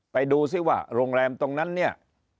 ไปดูซิว่าโรงแรมตรงนั้นเนี่ย